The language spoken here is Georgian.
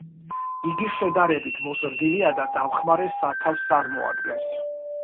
იგი შედარებით მოზრდილია და დამხმარე სათავსს წარმოადგენს.